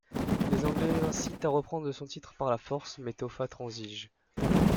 Les Anglais l'incitent à reprendre son titre par la force mais Toffa transige.